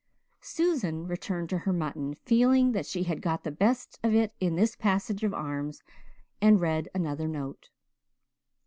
Susan returned to her mutton, feeling that she had got the best of it in this passage of arms, and read another "note."